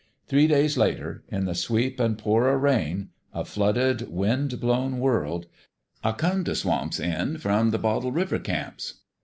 Three days later in the sweep an' pour o' rain a flooded, wind blown world I come t* Swamp's End from the Bottle River camps.